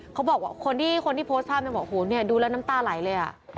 เขาบอกว่าคนที่โพสต์ภาพนั้นดูแล้วน้ำตาลายเลย